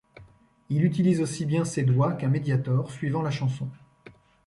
Il utilise aussi bien ses doigts qu'un médiator, suivant la chanson.